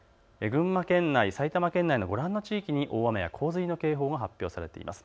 群馬県内、埼玉県内のご覧の地域に大雨や洪水の警報が発表されています。